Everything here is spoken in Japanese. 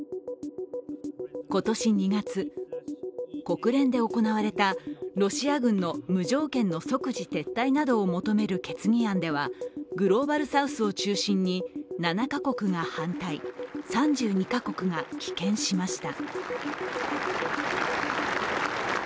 今年２月、国連で行われたロシア軍の無条件の即時撤退などを求める決議案ではグローバルサウスを中心に７か国が反対、３２か国が棄権しました。